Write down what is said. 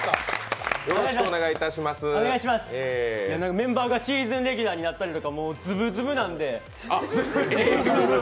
メンバーがシーズンレギュラーになったり、ずぶずぶなんで。